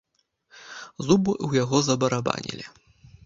Зубы ў яго забарабанілі.